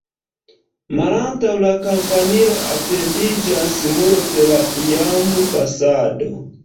Malantaŭ la kampanilo etendiĝas muro de la iama fasado.